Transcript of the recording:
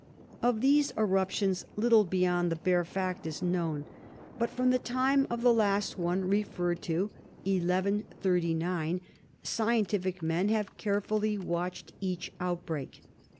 Of these eruptions, little beyond the bare fact is known. But from the time of the last one referred to, 1139, scientific men have carefully watched each outbreak.